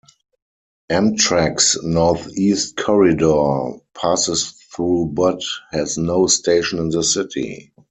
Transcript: Amtrak's Northeast Corridor passes through but has no station in the city.